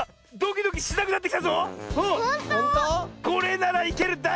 これならいける！